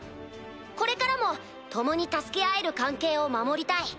これからも共に助け合える関係を守りたい。